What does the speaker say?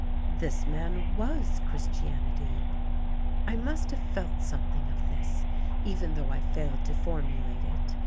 This man was Christianity.... I must have felt something of this, even though I failed to formulate it.